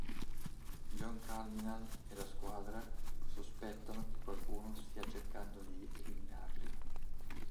John Cardinal e la squadra sospettano che qualcuno stia cercando di eliminarli.